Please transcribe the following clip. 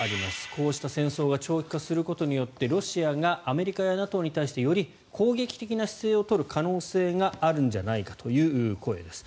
こうした戦争が長期化することによってロシアがアメリカやＮＡＴＯに対してより攻撃的な姿勢を取る可能性があるんじゃないかという声です。